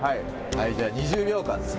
じゃあ２０秒間ですね。